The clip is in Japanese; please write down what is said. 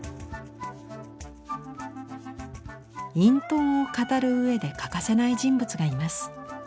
隠遁を語る上で欠かせない人物がいます。